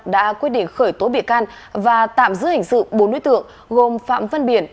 đã quyết định khởi tố bị can và tạm giữ hình sự bốn đối tượng gồm phạm văn biển